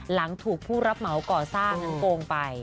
หลังถูกผู้รับเหมาก่อสร้างนั้นโกงไป